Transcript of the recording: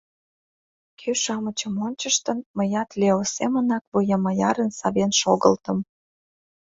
Кӱ-шамычым ончыштын, мыят Лео семынак вуем аярын савен шогылтым.